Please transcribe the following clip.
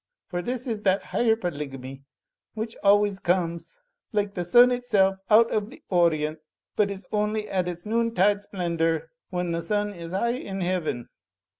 For this is that Higher Polygamy which always comes, like the sun THE SCX:iETY OF SIMPLE SOULS 85 itself, out of the orient, but is only at its noontide splendour when the sun is high in heaven."